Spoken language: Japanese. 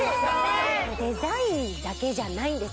デザインだけじゃないんです